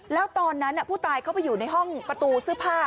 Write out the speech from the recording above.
แล้วตอนนั้นผู้ตายเข้าไปอยู่ในห้องประตูเสื้อผ้า